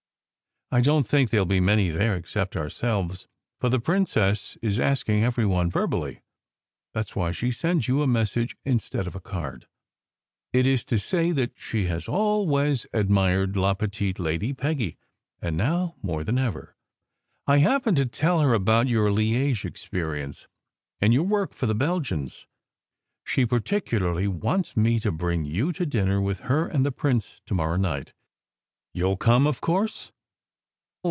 I don t think there ll be many there except ourselves, for the princess is asking every one verbally. That s why she sends you a message instead of a card. It is to say that she has always admired la petite Lady Peggy, and now more than ever. I happened to tell her about your Liege 268 SECRET HISTORY experience, and your work for the Belgians. She par ticularly wants me to bring you to dinner with her and the prince to morrow night. You ll come, of course?"